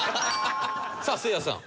さあせいやさん。